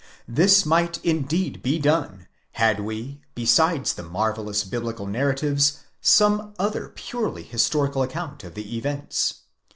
This might indeed be done, had we, besides the mar vellous biblical narratives, some other purely historical account of the events.